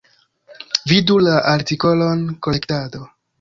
Vidu la artikolon Kolektado.